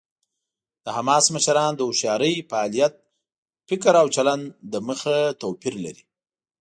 د حماس مشران له هوښیارۍ، فعالیت، فکر او چلند له مخې توپیر لري.